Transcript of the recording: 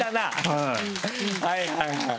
はいはいはい。